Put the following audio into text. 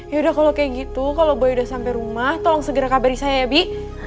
yaudah kalo kayak gitu kalo boy udah sampe rumah tolong segera kabari saya ya bi